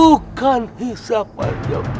bukan hisapan yang